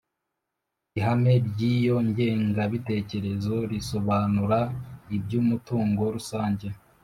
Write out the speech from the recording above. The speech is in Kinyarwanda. ihame ry'iyo ngengabitekerezo risobanura iby' umutungo rusange,